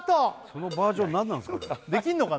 そのバージョン何なんですか？